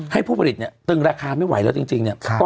ให้ผู้ผลิตเนี่ยตึงราคามิวัยแล้วจริงจริงเนี่ยใช่